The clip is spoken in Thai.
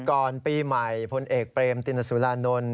ก่อนปีใหม่พลเอกเปรมตินสุรานนท์